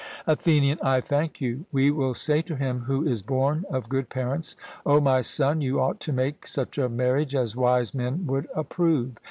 ATHENIAN: I thank you. We will say to him who is born of good parents O my son, you ought to make such a marriage as wise men would approve.